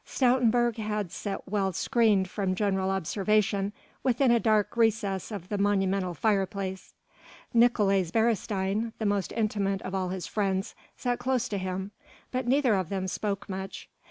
Stoutenburg had sat well screened from general observation within a dark recess of the monumental fireplace. Nicolaes Beresteyn, the most intimate of all his friends, sat close to him, but neither of them spoke much.